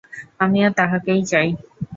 আমিও তাহাকেই চাই।